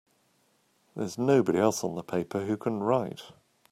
There's nobody else on the paper who can write!